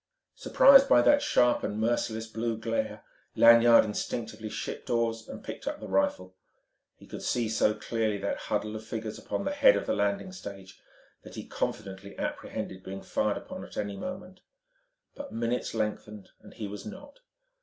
Surprised by that sharp and merciless blue glare, Lanyard instinctively shipped oars and picked up the rifle. He could see so clearly that huddle of figures upon the head of the landing stage that he confidently apprehended being fired upon at any moment; but minutes lengthened and he was not.